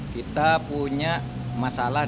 kita punya masalah